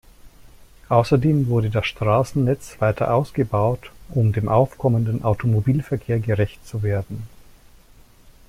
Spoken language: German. Außerdem wurde das Straßennetz weiter ausgebaut, um dem aufkommenden Automobilverkehr gerecht zu werden.